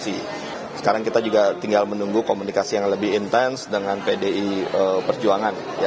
sekarang kita juga tinggal menunggu komunikasi yang lebih intens dengan pdi perjuangan